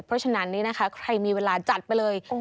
เพราะฉะนั้นนี่นะคะใครมีเวลาจัดไปเลย